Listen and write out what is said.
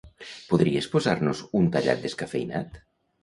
Podries posar-nos un tallat descafeïnat?